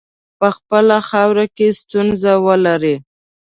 په خپله خاوره کې ستونزي ولري.